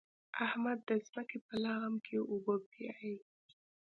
احمد د ځمکې په لغم کې اوبه بيايي.